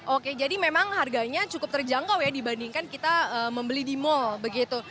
oke jadi memang harganya cukup terjangkau ya dibandingkan kita membeli di mal begitu